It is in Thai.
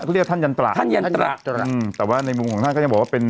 เขาเรียกท่านยันตระท่านยันตระอืมแต่ว่าในมุมของท่านก็ยังบอกว่าเป็น